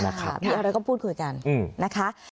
เอาแล้วก็พูดคุยกันนะคะ